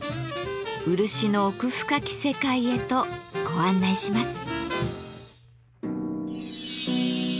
漆の奥深き世界へとご案内します。